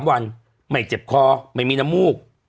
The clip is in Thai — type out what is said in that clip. วันไม่เจ็บคอไม่มีน้ำมูก